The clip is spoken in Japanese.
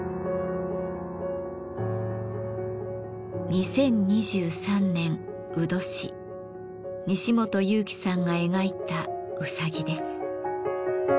２０２３年卯年西元祐貴さんが描いたうさぎです。